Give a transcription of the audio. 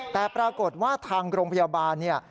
แต่ปรากฏว่าทางโรงพยาบาล